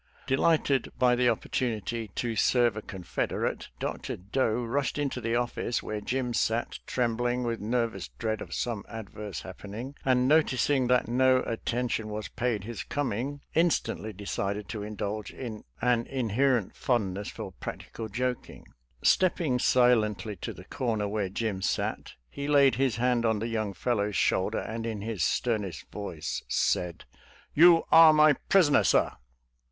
: Delighted by the opportunity! to serve a Con federate, Dr. Doe rushed into the office where Jim sat trembling with nervous dread of some adverse happening, and noticing that no atten tion was paid his coming, instantly decided to indulge an inherent fondness for practical jok ing. Stepping silently to the corner where Jim sat, he laid his hand on the young fellow's shoul der, and in his Sternest voice said, "You are my prisoner,! sir."